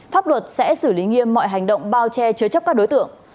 pháp luật sẽ xử lý nghiêm mọi hành động bao che chứa chấp các đối tượng